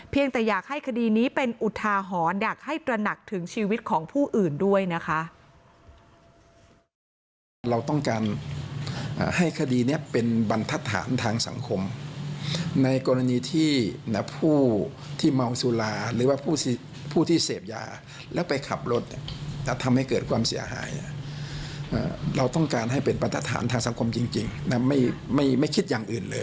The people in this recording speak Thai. แต่อยากให้คดีนี้เป็นอุทาหรณ์อยากให้ตระหนักถึงชีวิตของผู้อื่นด้วยนะคะ